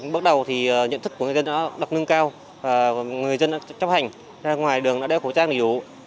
bắt đầu thì nhận thức của người dân đã đọc nâng cao và người dân đã chấp hành ra ngoài đường đã đeo khẩu trang đủ